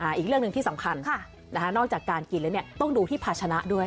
อีกเรื่องหนึ่งที่สำคัญนอกจากการกินแล้วเนี่ยต้องดูที่ภาชนะด้วย